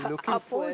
kami juga mencari